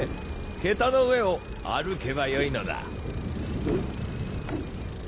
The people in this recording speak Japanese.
桁の上を歩けばよいのだ。